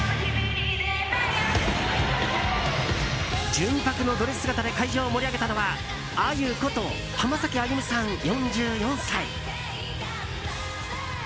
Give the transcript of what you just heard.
純白のドレス姿で会場を盛り上げたのはあゆこと浜崎あゆみさん、４４歳。